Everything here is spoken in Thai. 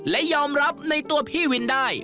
และยอมรับในตัวพี่วินได้